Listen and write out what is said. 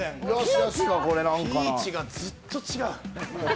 ピーチがずっと違う。